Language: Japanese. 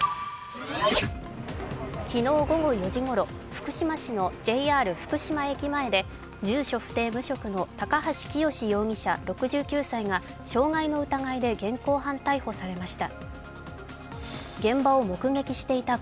昨日午後４時ごろ、福島市のＪＲ福島駅前で住所不定・無職の高橋清容疑者６９歳が傷害の疑いで現行犯逮捕されました。